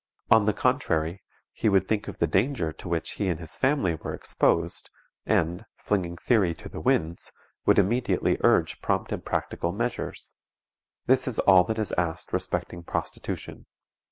On the contrary, he would think of the danger to which he and his family were exposed, and, flinging theory to the winds, would immediately urge prompt and practical measures. This is all that is asked respecting prostitution.